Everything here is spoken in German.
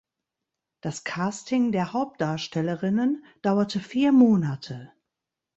Das Casting der Hauptdarstellerinnen dauerte vier Monate.